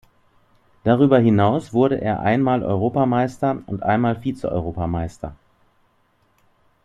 Darüber hinaus wurde er einmal Europameister und einmal Vize-Europameister.